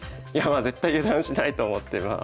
絶対油断しないと思ってまあ。